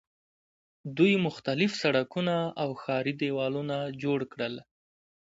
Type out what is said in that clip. دوی مختلف سړکونه او ښاري دیوالونه جوړ کړل.